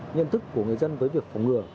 nhân thức của người dân với việc phòng ngừa